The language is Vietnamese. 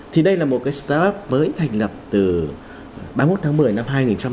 thì đây là một cái startup mới thành lập từ ba mươi một tháng một mươi năm hai nghìn một mươi bảy